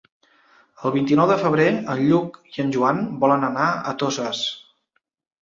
El vint-i-nou de febrer en Lluc i en Joan volen anar a Toses.